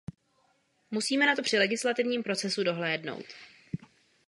Musíme na to při legislativním procesu dohlédnout.